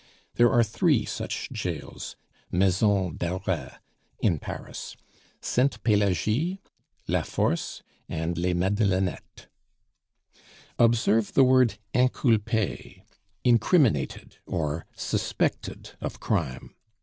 There are three such jails (Maisons d'Arret) in Paris Sainte Pelagie, La Force, and les Madelonettes. Observe the word inculpe, incriminated, or suspected of crime.